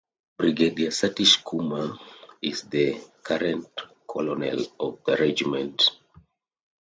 Brigadier Satish Kumar is the current Colonel of the Regiment.